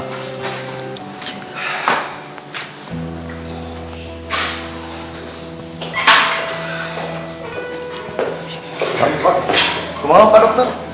kemalau pak dokter